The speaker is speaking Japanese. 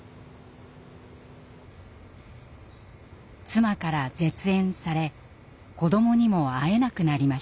妻から絶縁され子どもにも会えなくなりました。